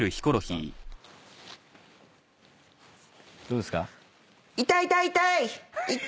どうですか？